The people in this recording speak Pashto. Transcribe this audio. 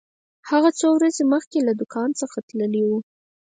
هغه څو ورځې مخکې له دکان څخه تللی و.